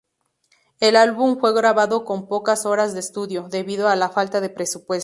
El álbum fue grabado con pocas horas de estudio, debido a falta de presupuesto.